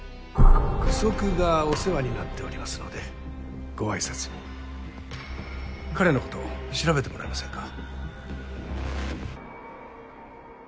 愚息がお世話になっておりますので彼のこと調べてもらえませんか？